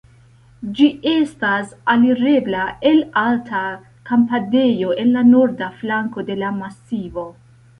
Ĝi estas alirebla el alta kampadejo en la norda flanko de la masivo.